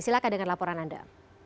silahkan dengan laporan anda